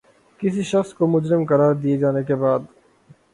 کسی شخص کو مجرم قراد دیے جانے کے بعد